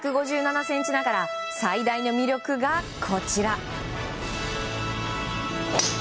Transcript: １５７ｃｍながら最大の魅力が、こちら。